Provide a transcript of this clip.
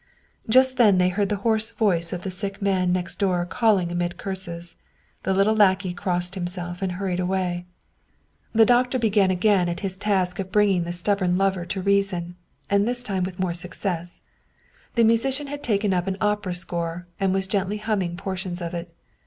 Just then they heard the hoarse voice of the sick man next door calling amid curses. The little lackey crossed himself and hurried away. 114 Wilhclm Hauff The doctor began again at his task of bringing the stub born lover to reason, and this time with more success. The musician had taken up an opera score, and was gently hum ming portions of it.